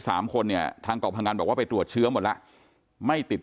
สามคนเนี่ยทางเกาะพังอันบอกว่าไปตรวจเชื้อหมดแล้วไม่ติด